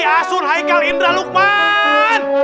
omri asun haikal indra lukman